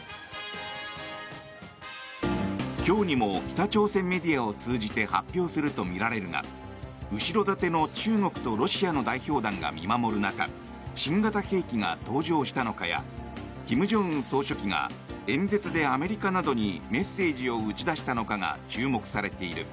今日にも北朝鮮メディアを通じて発表するとみられるが後ろ盾の中国とロシアの代表団が見守る中新型兵器が登場したのかや金正恩総書記が演説でアメリカなどにメッセージを打ち出したのかが注目されている。